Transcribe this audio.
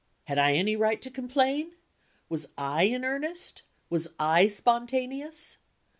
Had I any right to complain? Was I in earnest? Was I spontaneous?